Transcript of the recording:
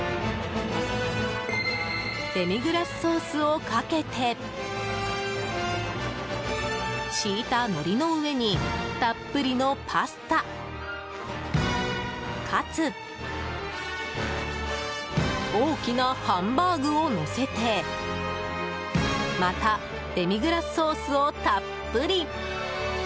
デミグラスソースをかけて敷いたのりの上にたっぷりのパスタ、カツ大きなハンバーグをのせてまたデミグラスソースをたっぷり。